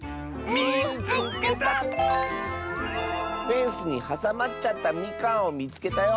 「フェンスにはさまっちゃったみかんをみつけたよ」。